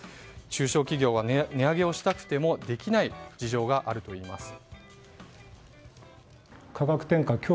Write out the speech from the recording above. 中小企業は値上げをしたくてもできない事情があるといいます。